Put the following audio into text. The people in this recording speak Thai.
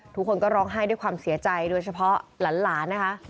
ทุกคนก็ร้องไห้ด้วยความเสียใจโดยเฉพาะหลานนะคะ